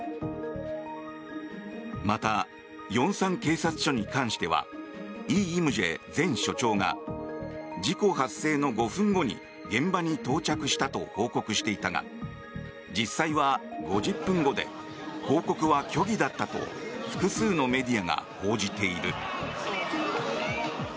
また、龍山警察署に関してはイ・イムジェ前署長が事故発生の５分後に現場に到着したと報告していたが実際は５０分後で報告は虚偽だったと複数のメディアが報じている。